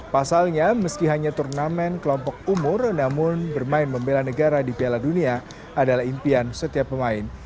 pasalnya meski hanya turnamen kelompok umur namun bermain membela negara di piala dunia adalah impian setiap pemain